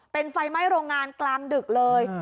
เป็นไฟไหม้โรงงานกลางดึกเลย